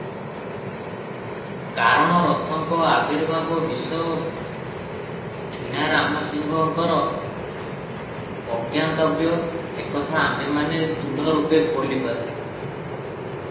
କାରଣ ରଥଙ୍କ ଆବିର୍ଭାବ ବିଷୟ କିଣାରାମ ସିଂହଙ୍କର ଅଜ୍ଞାତବ୍ୟ, ଏକଥା ଆମ୍ଭେମାନେ ଦୃଢ଼ରୂପେ ବୋଲିପାରୁଁ ।